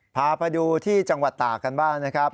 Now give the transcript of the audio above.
พาไปดูที่จังหวัดตากกันบ้างนะครับ